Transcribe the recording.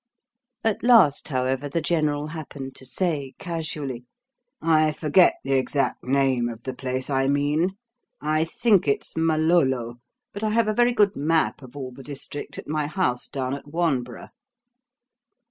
At last, however, the General happened to say casually, "I forget the exact name of the place I mean; I think it's Malolo; but I have a very good map of all the district at my house down at Wanborough."